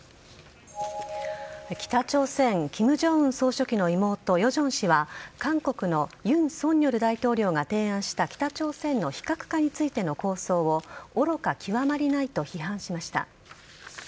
北朝鮮・金正恩総書記の妹・ヨジョン氏は韓国の尹錫悦大統領が提案した北朝鮮の非核化についての構想を愚か極まりないと批判しました。